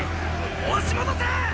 押し戻せっ！